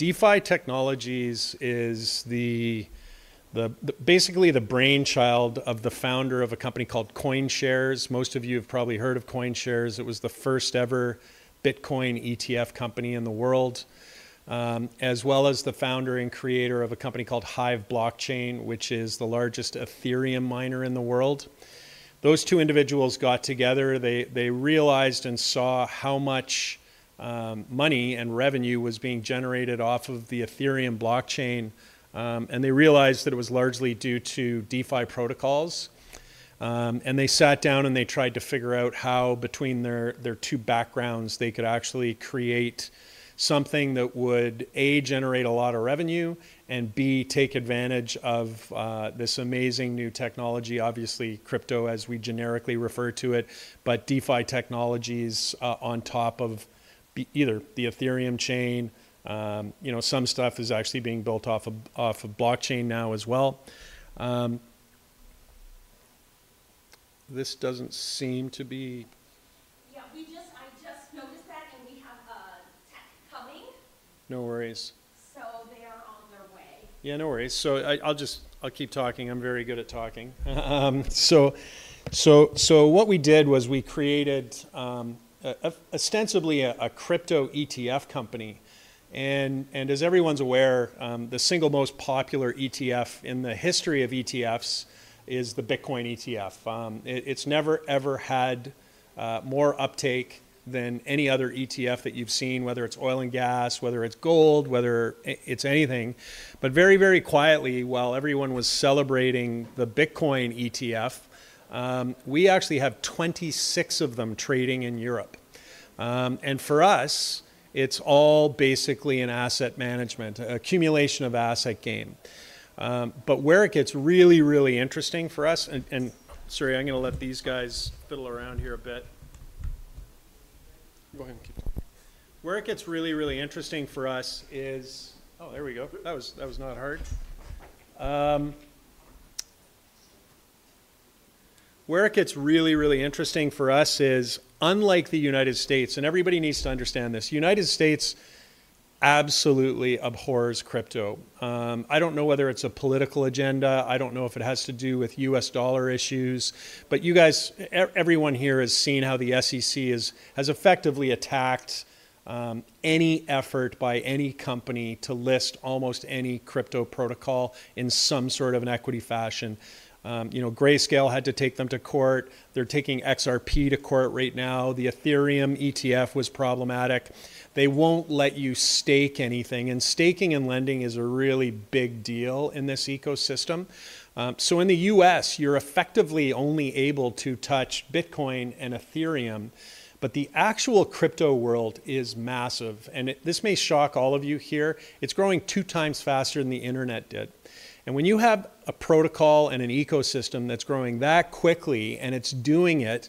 DeFi Technologies is basically the brainchild of the founder of a company called CoinShares. Most of you have probably heard of CoinShares. It was the first-ever Bitcoin ETF company in the world, as well as the founder and creator of a company called Hive Blockchain, which is the largest Ethereum miner in the world. Those two individuals got together. They realized and saw how much money and revenue was being generated off of the Ethereum blockchain, and they realized that it was largely due to DeFi protocols, and they sat down and they tried to figure out how, between their two backgrounds, they could actually create something that would, A, generate a lot of revenue, and B, take advantage of this amazing new technology, obviously crypto as we generically refer to it, but DeFi Technologies on top of either the Ethereum chain. Some stuff is actually being built off of blockchain now as well. This doesn't seem to be. Yeah, I just noticed that, and we have tech coming. No worries. They are on their way. Yeah, no worries, so I'll keep talking. I'm very good at talking, so what we did was we created ostensibly a crypto ETF company, and as everyone's aware, the single most popular ETF in the history of ETFs is the Bitcoin ETF. It's never ever had more uptake than any other ETF that you've seen, whether it's oil and gas, whether it's gold, whether it's anything, but very, very quietly, while everyone was celebrating the Bitcoin ETF, we actually have 26 of them trading in Europe, and for us, it's all basically an asset management, accumulation of asset gain, but where it gets really, really interesting for us, and sorry, I'm going to let these guys fiddle around here a bit. Go ahead. Where it gets really, really interesting for us is, oh, there we go. That was not hard. Where it gets really, really interesting for us is, unlike the United States, and everybody needs to understand this, the United States absolutely abhors crypto. I don't know whether it's a political agenda. I don't know if it has to do with U.S. dollar issues. But everyone here has seen how the SEC has effectively attacked any effort by any company to list almost any crypto protocol in some sort of an equity fashion. Grayscale had to take them to court. They're taking XRP to court right now. The Ethereum ETF was problematic. They won't let you stake anything. And staking and lending is a really big deal in this ecosystem. So in the U.S., you're effectively only able to touch Bitcoin and Ethereum. But the actual crypto world is massive. And this may shock all of you here. It's growing two times faster than the internet did. And when you have a protocol and an ecosystem that's growing that quickly and it's doing it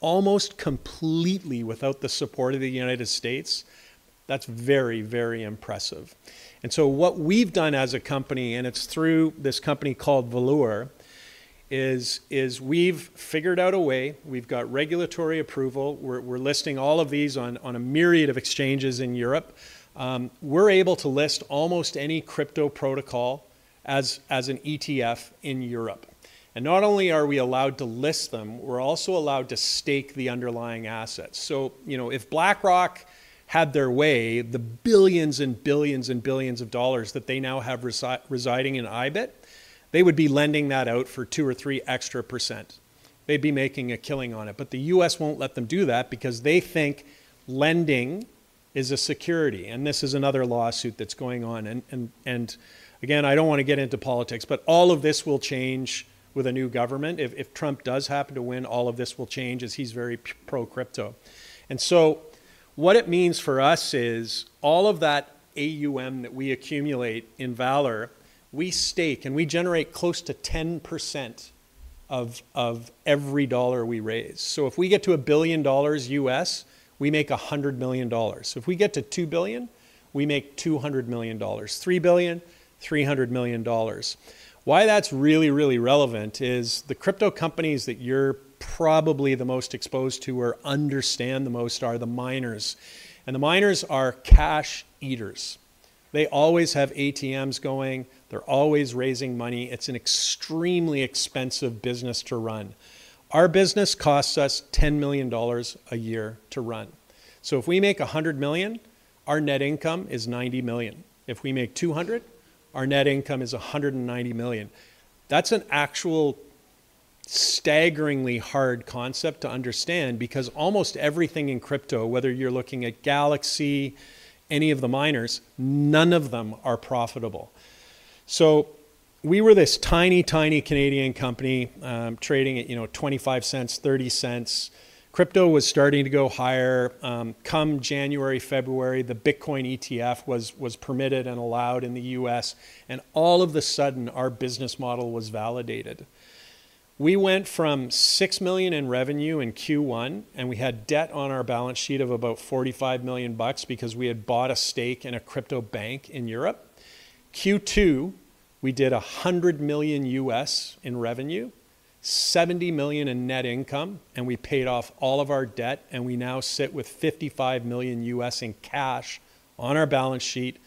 almost completely without the support of the United States, that's very, very impressive. And so what we've done as a company, and it's through this company called Valour, is we've figured out a way. We've got regulatory approval. We're listing all of these on a myriad of exchanges in Europe. We're able to list almost any crypto protocol as an ETF in Europe. And not only are we allowed to list them, we're also allowed to stake the underlying assets. So if BlackRock had their way, the billions and billions and billions of dollars that they now have residing in IBIT, they would be lending that out for two or three extra %. They'd be making a killing on it. But the U.S. won't let them do that because they think lending is a security. And this is another lawsuit that's going on. And again, I don't want to get into politics, but all of this will change with a new government. If Trump does happen to win, all of this will change as he's very pro-crypto. And so what it means for us is all of that AUM that we accumulate in Valour, we stake and we generate close to 10% of every dollar we raise. So if we get to $1 billion USD, we make $100 million. So if we get to $2 billion, we make $200 million. $3 billion, $300 million. Why that's really, really relevant is the crypto companies that you're probably the most exposed to or understand the most are the miners. And the miners are cash eaters. They always have CapEx going. They're always raising money. It's an extremely expensive business to run. Our business costs us $10 million a year to run. So if we make $100 million, our net income is $90 million. If we make $200, our net income is $190 million. That's an actual staggeringly hard concept to understand because almost everything in crypto, whether you're looking at Galaxy, any of the miners, none of them are profitable. So we were this tiny, tiny Canadian company trading at $0.25, $0.30. Crypto was starting to go higher. Come January, February, the Bitcoin ETF was permitted and allowed in the U.S. And all of a sudden, our business model was validated. We went from $6 million in revenue in Q1, and we had debt on our balance sheet of about $45 million because we had bought a stake in a crypto bank in Europe. Q2, we did $100 million in revenue, $70 million in net income, and we paid off all of our debt. And we now sit with $55 million in cash on our balance sheet.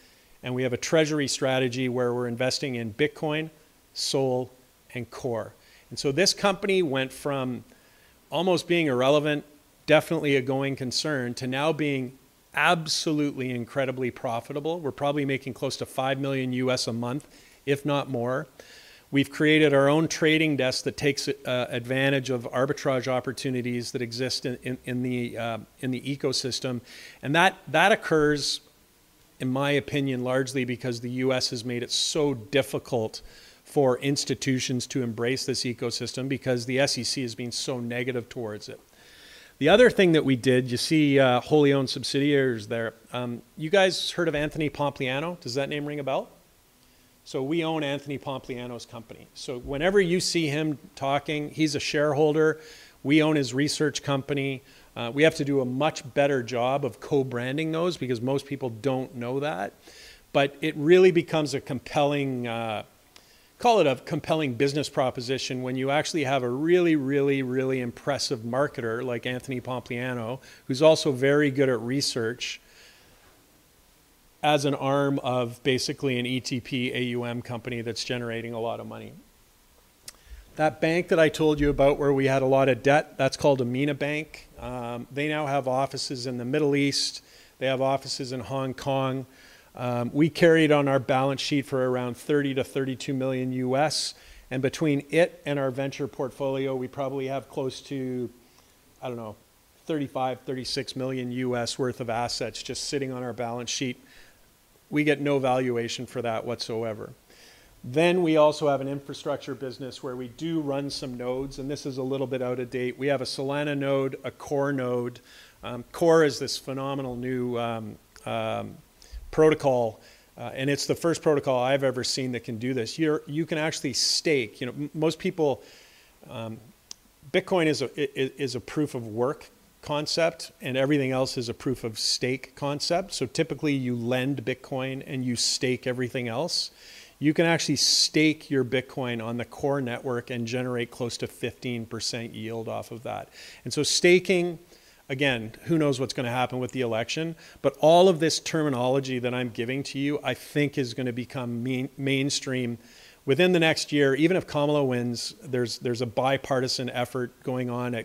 And we have a treasury strategy where we're investing in Bitcoin, SOL, and CORE. And so this company went from almost being irrelevant, definitely a going concern, to now being absolutely incredibly profitable. We're probably making close to $5 million a month, if not more. We've created our own trading desk that takes advantage of arbitrage opportunities that exist in the ecosystem. And that occurs, in my opinion, largely because the U.S. has made it so difficult for institutions to embrace this ecosystem because the SEC has been so negative towards it. The other thing that we did, you see wholly owned subsidiaries there. You guys heard of Anthony Pompliano? Does that name ring a bell? So we own Anthony Pompliano's company. So whenever you see him talking, he's a shareholder. We own his research company. We have to do a much better job of co-branding those because most people don't know that. But it really becomes a compelling, call it a compelling business proposition when you actually have a really, really, really impressive marketer like Anthony Pompliano, who's also very good at research, as an arm of basically an ETP AUM company that's generating a lot of money. That bank that I told you about where we had a lot of debt, that's called Amina Bank. They now have offices in the Middle East. They have offices in Hong Kong. We carried on our balance sheet for around $30-$32 million US. Between it and our venture portfolio, we probably have close to, I don't know, $35-$36 million USD worth of assets just sitting on our balance sheet. We get no valuation for that whatsoever. We also have an infrastructure business where we do run some nodes. This is a little bit out of date. We have a Solana node, a Core node. Core is this phenomenal new protocol. It's the first protocol I've ever seen that can do this. You can actually stake. Bitcoin is a proof of work concept, and everything else is a proof of stake concept. Typically, you lend Bitcoin and you stake everything else. You can actually stake your Bitcoin on the Core network and generate close to 15% yield off of that. Staking, again, who knows what's going to happen with the election. But all of this terminology that I'm giving to you, I think, is going to become mainstream within the next year. Even if Kamala wins, there's a bipartisan effort going on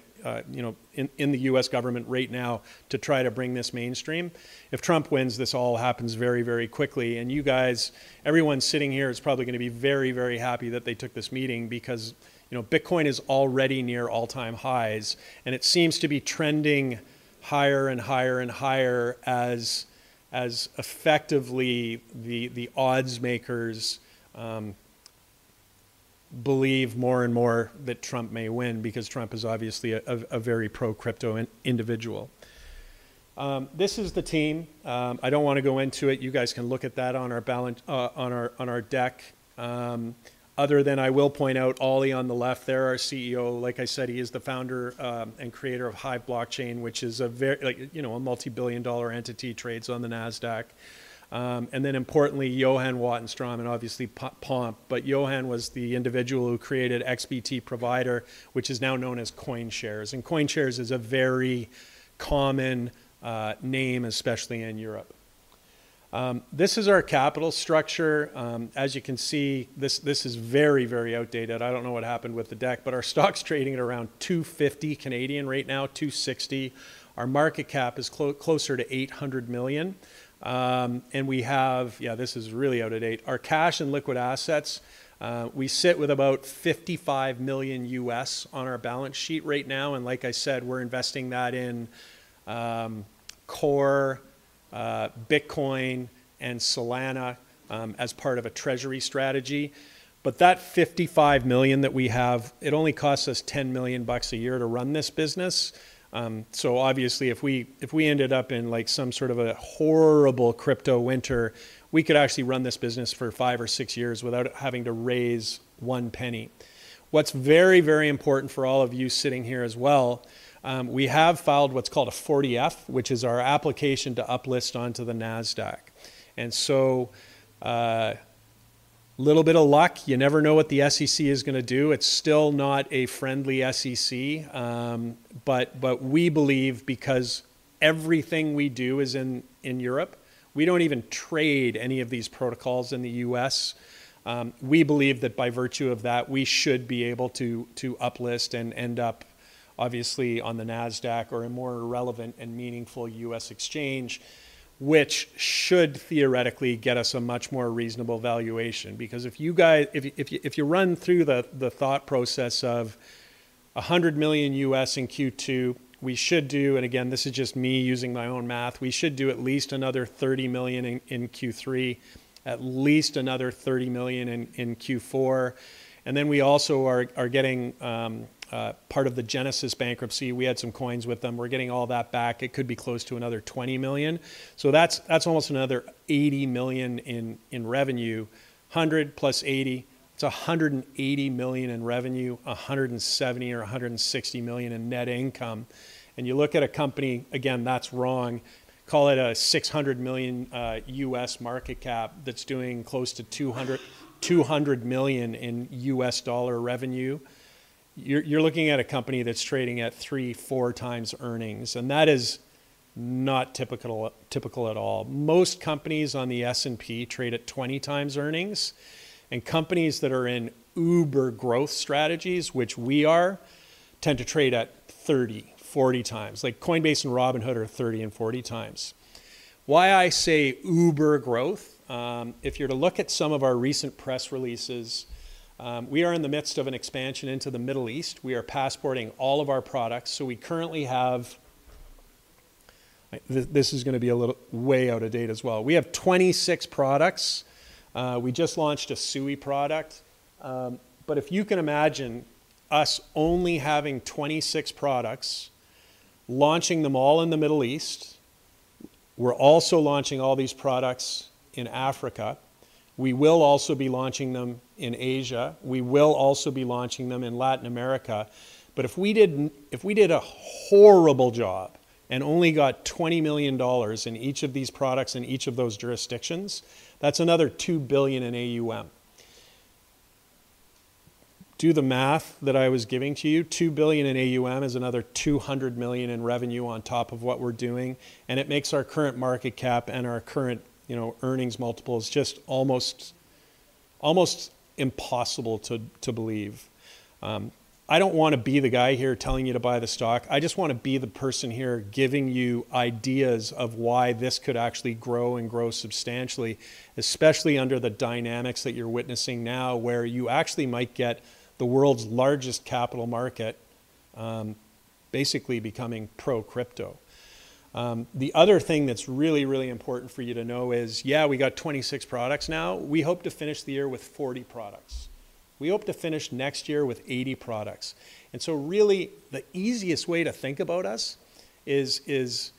in the U.S. government right now to try to bring this mainstream. If Trump wins, this all happens very, very quickly. And you guys, everyone sitting here is probably going to be very, very happy that they took this meeting because Bitcoin is already near all-time highs. And it seems to be trending higher and higher and higher as effectively the odds makers believe more and more that Trump may win because Trump is obviously a very pro-crypto individual. This is the team. I don't want to go into it. You guys can look at that on our deck. Other than I will point out, Ollie on the left, their CEO, like I said, he is the founder and creator of Hive Blockchain, which is a multi-billion dollar entity, trades on the Nasdaq. And then importantly, Johan Wattenstrom and obviously Pomp. But Johan was the individual who created XBT Provider, which is now known as CoinShares. And CoinShares is a very common name, especially in Europe. This is our capital structure. As you can see, this is very, very outdated. I don't know what happened with the deck. But our stock's trading at around 250 right now, 260. Our market cap is closer to 800 million. And we have, yeah, this is really out of date. Our cash and liquid assets, we sit with about $55 million US on our balance sheet right now. Like I said, we're investing that in Core, Bitcoin, and Solana as part of a treasury strategy. But that $55 million that we have, it only costs us $10 million a year to run this business. So obviously, if we ended up in some sort of a horrible crypto winter, we could actually run this business for five or six years without having to raise one penny. What's very, very important for all of you sitting here as well, we have filed what's called a 40-F, which is our application to uplist onto Nasdaq. And so a little bit of luck. You never know what the SEC is going to do. It's still not a friendly SEC. But we believe because everything we do is in Europe, we don't even trade any of these protocols in the US. We believe that by virtue of that, we should be able to uplist and end up obviously on the Nasdaq or a more relevant and meaningful U.S. exchange, which should theoretically get us a much more reasonable valuation. Because if you run through the thought process of $100 million in Q2, we should do, and again, this is just me using my own math, we should do at least another $30 million in Q3, at least another $30 million in Q4. And then we also are getting part of the Genesis bankruptcy. We had some coins with them. We're getting all that back. It could be close to another $20 million. So that's almost another $80 million in revenue. $100 plus $80, it's $180 million in revenue, $170 or $160 million in net income. And you look at a company, again, that's wrong. Call it a $600 million US market cap that's doing close to $200 million in US dollar revenue. You're looking at a company that's trading at three, four times earnings, and that is not typical at all. Most companies on the S&P trade at 20 times earnings, and companies that are in uber growth strategies, which we are, tend to trade at 30, 40 times. Like Coinbase and Robinhood are 30 and 40 times. Why I say uber growth, if you're to look at some of our recent press releases, we are in the midst of an expansion into the Middle East. We are passporting all of our products, so we currently have, this is going to be a little way out of date as well. We have 26 products. We just launched a Sui product. But if you can imagine us only having 26 products, launching them all in the Middle East, we're also launching all these products in Africa. We will also be launching them in Asia. We will also be launching them in Latin America. But if we did a horrible job and only got $20 million in each of these products in each of those jurisdictions, that's another $2 billion in AUM. Do the math that I was giving to you. $2 billion in AUM is another $200 million in revenue on top of what we're doing. And it makes our current market cap and our current earnings multiple just almost impossible to believe. I don't want to be the guy here telling you to buy the stock. I just want to be the person here giving you ideas of why this could actually grow and grow substantially, especially under the dynamics that you're witnessing now where you actually might get the world's largest capital market basically becoming pro-crypto. The other thing that's really, really important for you to know is, yeah, we got 26 products now. We hope to finish the year with 40 products. We hope to finish next year with 80 products. So really, the easiest way to think about us is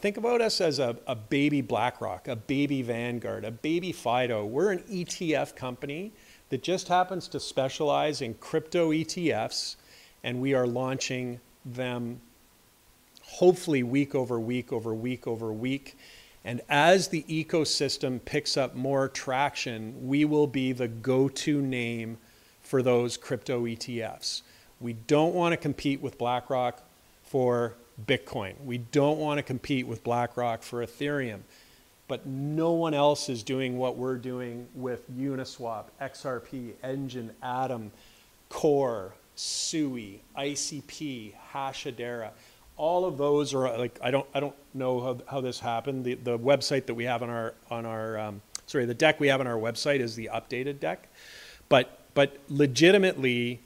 think about us as a baby BlackRock, a baby Vanguard, a baby Fido. We're an ETF company that just happens to specialize in crypto ETFs. We are launching them hopefully week over week over week over week. As the ecosystem picks up more traction, we will be the go-to name for those crypto ETFs. We don't want to compete with BlackRock for Bitcoin. We don't want to compete with BlackRock for Ethereum. But no one else is doing what we're doing with Uniswap, XRP, Enjin, Atom, Core, Sui, ICP, Hedera. All of those are, I don't know how this happened. The website that we have on our, sorry, the deck we have on our website is the updated deck. But legitimately,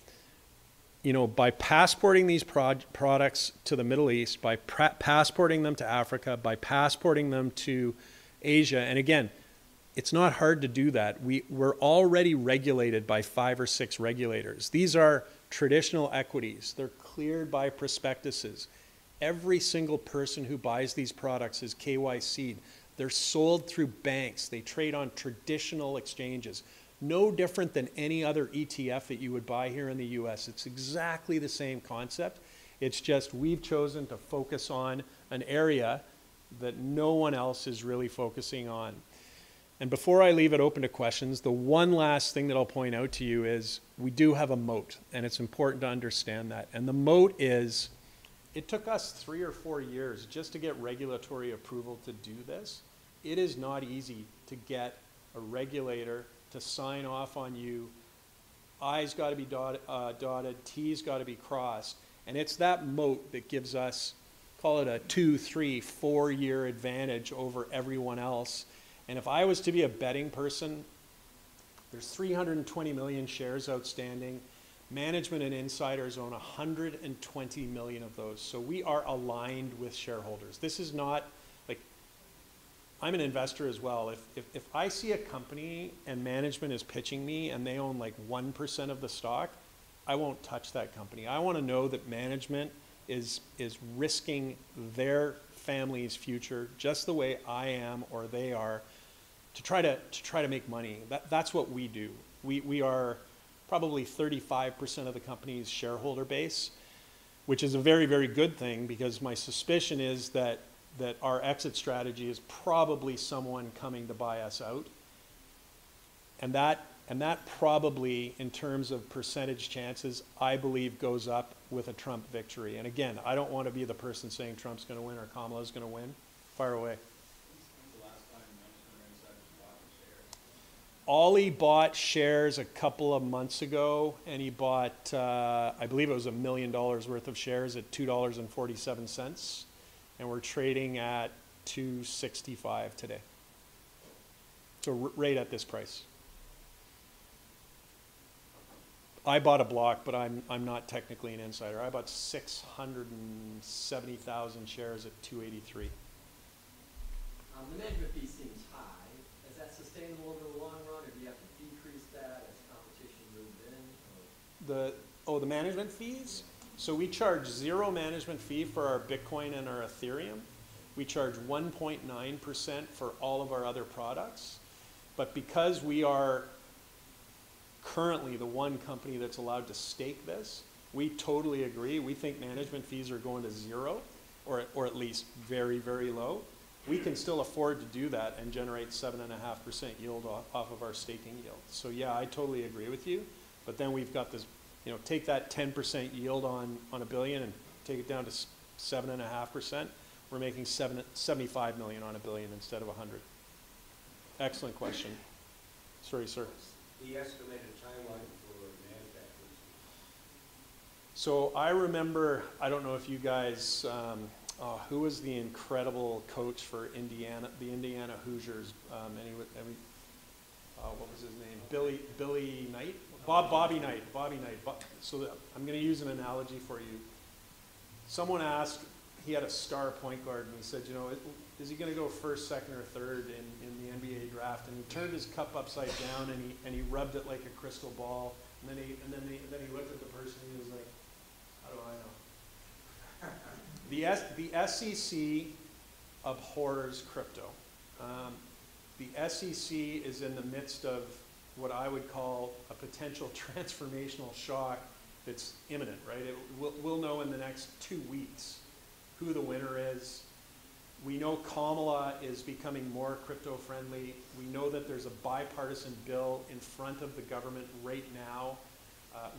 by passporting these products to the Middle East, by passporting them to Africa, by passporting them to Asia. And again, it's not hard to do that. We're already regulated by five or six regulators. These are traditional equities. They're cleared by prospectuses. Every single person who buys these products is KYC'd. They're sold through banks. They trade on traditional exchanges. No different than any other ETF that you would buy here in the U.S. It's exactly the same concept. It's just we've chosen to focus on an area that no one else is really focusing on. And before I leave it open to questions, the one last thing that I'll point out to you is we do have a moat. And it's important to understand that. And the moat is it took us three or four years just to get regulatory approval to do this. It is not easy to get a regulator to sign off on you. I's got to be dotted, t's got to be crossed. And it's that moat that gives us, call it a two, three, four-year advantage over everyone else. And if I was to be a betting person, there's 320 million shares outstanding. Management and insiders own 120 million of those. So we are aligned with shareholders. This is not, I'm an investor as well. If I see a company and management is pitching me and they own like 1% of the stock, I won't touch that company. I want to know that management is risking their family's future just the way I am or they are to try to make money. That's what we do. We are probably 35% of the company's shareholder base, which is a very, very good thing because my suspicion is that our exit strategy is probably someone coming to buy us out, and that probably, in terms of percentage chances, I believe goes up with a Trump victory, and again, I don't want to be the person saying Trump's going to win or Kamala's going to win. Fire away. Ollie bought shares a couple of months ago, and he bought, I believe it was $1,000,000 worth of shares at $2.47, and we're trading at $265 today. The management fee seems high. Is that sustainable over the long run? Or do you have to decrease that as competition moves in? Oh, the management fees? So, we charge zero management fee for our Bitcoin and our Ethereum. We charge 1.9% for all of our other products. But because we are currently the one company that's allowed to stake this, we totally agree. We think management fees are going to zero or at least very, very low. We can still afford to do that and generate 7.5% yield off of our staking yield. So yeah, I totally agree with you. But then we've got this: take that 10% yield on a billion and take it down to 7.5%. We're making 75 million on a billion instead of 100. Excellent question. Sorry, sir. The estimated timeline for management fees. I remember, I don't know if you guys, who was the incredible coach for the Indiana Hoosiers? What was his name? Bobby Knight. So I'm going to use an analogy for you. Someone asked, he had a star point guard. And he said, you know, is he going to go first, second, or third in the NBA draft? And he turned his cup upside down and he rubbed it like a crystal ball. And then he looked at the person and he was like, how do I know? The SEC abhors crypto. The SEC is in the midst of what I would call a potential transformational shock that's imminent, right? We'll know in the next two weeks who the winner is. We know Kamala is becoming more crypto-friendly. We know that there's a bipartisan bill in front of the government right now.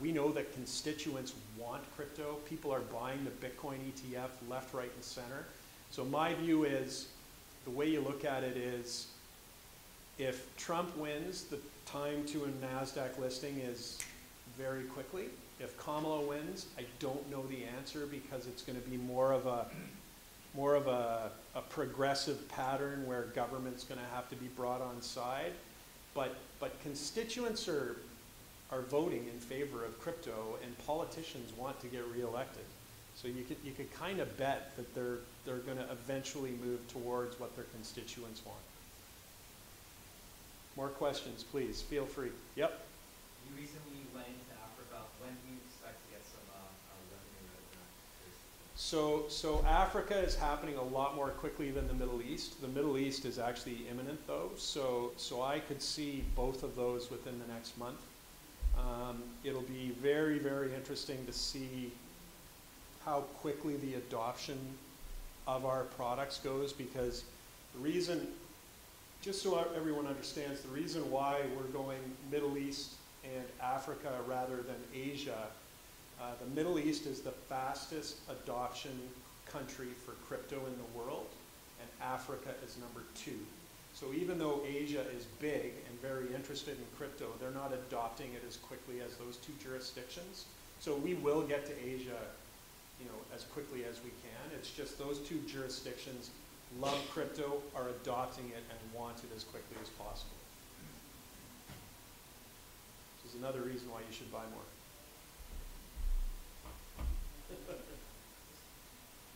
We know that constituents want crypto. People are buying the Bitcoin ETF left, right, and center. So my view is the way you look at it is if Trump wins, the time to a NASDAQ listing is very quickly. If Kamala wins, I don't know the answer because it's going to be more of a progressive pattern where government's going to have to be brought on side. But constituents are voting in favor of crypto and politicians want to get reelected. So you could kind of bet that they're going to eventually move towards what their constituents want. More questions, please. Feel free. Yep. You recently went into Africa. When do you expect to get some revenue out of that? So Africa is happening a lot more quickly than the Middle East. The Middle East is actually imminent, though. So I could see both of those within the next month. It'll be very, very interesting to see how quickly the adoption of our products goes. Because the reason, just so everyone understands, the reason why we're going Middle East and Africa rather than Asia: the Middle East is the fastest adoption country for crypto in the world, and Africa is number two. Even though Asia is big and very interested in crypto, they're not adopting it as quickly as those two jurisdictions, so we will get to Asia as quickly as we can. It's just those two jurisdictions love crypto, are adopting it, and want it as quickly as possible. This is another reason why you should buy more.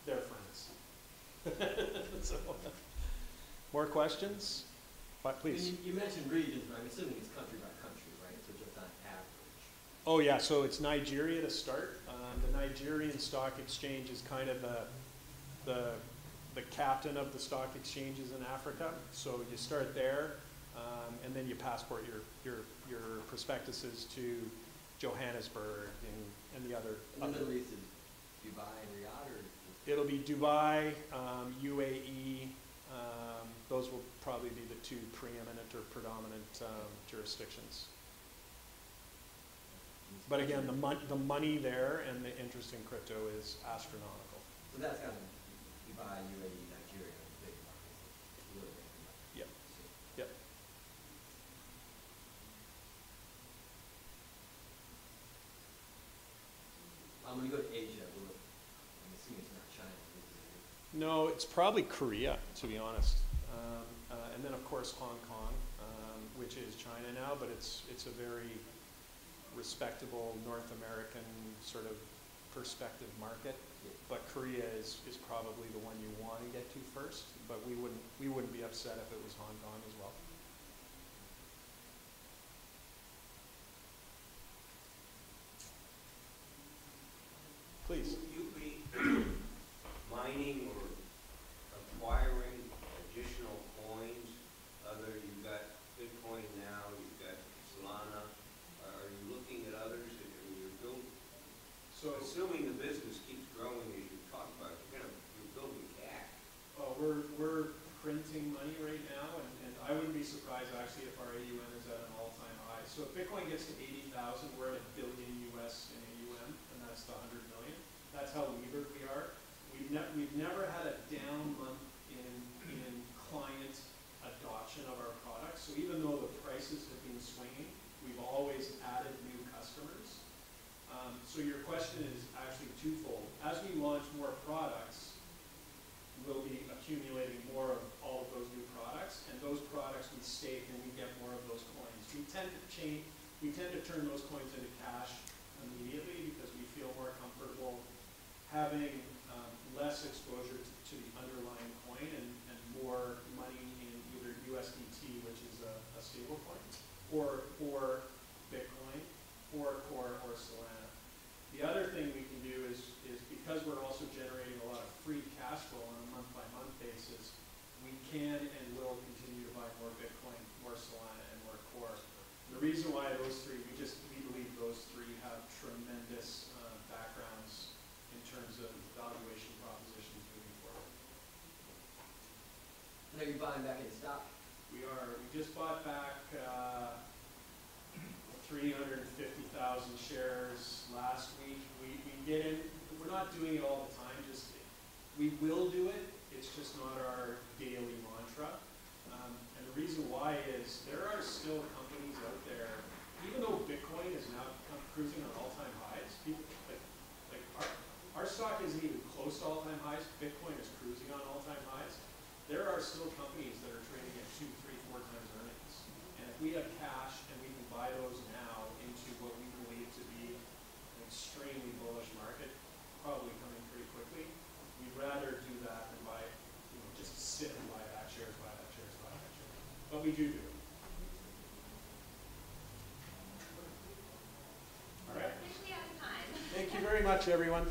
They're friends. More questions? Please. You mentioned regions, right? It's certainly country by country, right? So just on average. Oh, yeah. It's Nigeria to start. The Nigerian Stock Exchange is kind of the captain of the stock exchanges in Africa. So you start there and then you passport your prospectuses to Johannesburg and the other. And then recent Dubai and Riyadh or? It'll be Dubai, UAE. Those will probably be the two preeminent or predominant jurisdictions. But again, the money there and the interest in crypto is astronomical. So that's kind of Dubai, UAE, Nigeria, big markets. Yep. Yep. I'm going to go to Asia. I'm assuming it's not China. No, it's probably Korea, to be honest. And then, of course, Hong Kong, which is China now, but it's a very respectable North American sort of perspective market. But Korea is probably the one you want to get to first. But we wouldn't be upset if it was Hong Kong as well. Please. Will you be mining or acquiring additional coins? You've got Bitcoin now. You've got Solana. Are you looking at others? So assuming the business keeps growing as you talk about, you're building cash. We're printing money right now. And I wouldn't be surprised, actually, if our AUM is at an all-time high. So if Bitcoin gets to 80,000, we're at $1 billion USD in AUM. And that's the $100 million. That's how lean we are. We've never had a down month in client adoption of our products. So even though the prices have been swinging, we've always added new customers. So your question is actually twofold. As we launch more products, we'll be accumulating more of all of those new products. And those products we stake and we get more of those coins. We tend to turn those coins into cash immediately because we feel more comfortable having less exposure to the underlying coin and more money in either USDT, which is a stablecoin, or Bitcoin, or Core, or Solana. The other thing we can do is because we're also generating a lot of free cash flow on a month-by-month basis, we can and will continue to buy more Bitcoin, more Solana, and more Core. The reason why those three, we believe those three have tremendous backgrounds in terms of valuation propositions moving forward. And are you buying back any stock? We are. We just bought back 350,000 shares last week. We're not doing it all the time. We will do it. It's just not our daily mantra. And the reason why is there are still companies out there. Even though Bitcoin is now cruising on all-time highs, our stock isn't even close to all-time highs. Bitcoin is cruising on all-time highs. There are still companies that are trading at two, three, four times earnings. And if we have cash and we can buy those now into what we believe to be an extremely bullish market, probably coming pretty quickly, we'd rather do that than just sit and buy back shares, buy back shares, buy back shares. But we do do it. All right. Officially out of time. Thank you very much, everyone.